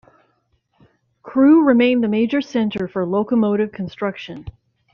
Crewe remained the major centre for locomotive construction.